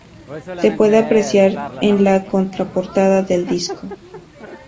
Se puede apreciar en la contraportada del disco.